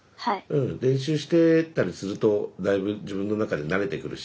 うん練習してたりするとだいぶ自分の中で慣れてくるし。